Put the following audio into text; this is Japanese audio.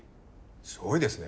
すごいですね。